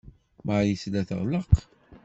Marie tella teɣleq.